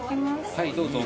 はいどうぞ。